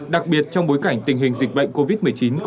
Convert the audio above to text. đặc biệt trong bối cảnh tình hình dịch bệnh covid một mươi chín